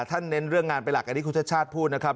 ท่านเน้นเรื่องงานเป็นหลักนะครับ